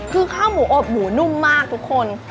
คือข้าวหมูอบหมูนุ่มมากทุกคน